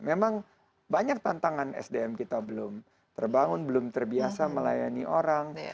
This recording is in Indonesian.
memang banyak tantangan sdm kita belum terbangun belum terbiasa melayani orang